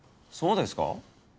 そうですか？